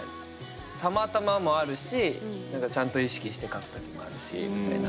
たまたまもあるしちゃんと意識して書く時もあるしみたいな。